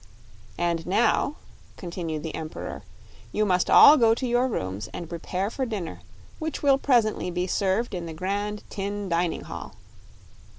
"And now," continued the Emperor, "you must all go to your rooms and prepare for dinner, which will presently be served in the grand tin dining hall.